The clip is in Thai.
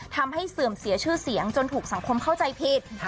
เสื่อมเสียชื่อเสียงจนถูกสังคมเข้าใจผิด